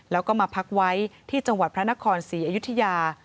แล้วก็มาพักไว้ที่จังหวัดพระนครศรีอยุธยา